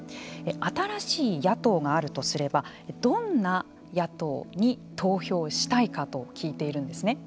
新しい野党があるとすればどんな野党に投票したいかと聞いているんですね。